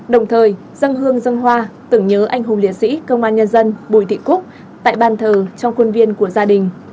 đồng thời dân hương dân hoa tưởng nhớ anh hùng liệt sĩ công an nhân dân bùi thị cúc tại bàn thờ trong quân viên của gia đình